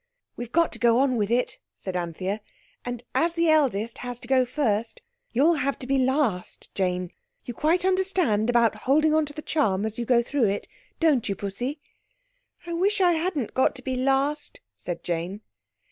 "We've got to go on with it," said Anthea, "and as the eldest has to go first, you'll have to be last, Jane. You quite understand about holding on to the charm as you go through, don't you, Pussy?" "I wish I hadn't got to be last," said Jane.